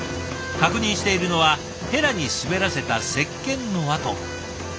確認しているのはヘラに滑らせた石鹸の跡。